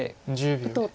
打とうと。